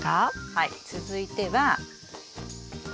はい続いては。